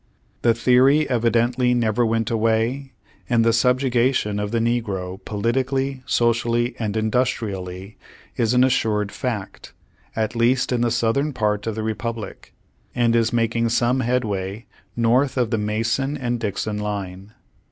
The theory evidently never went away, and the subjugation of the negro politically, socially, and industrially is an assured fact, at least in the southern part of the Republic, and is making some headway north of the Mason and Dixon line.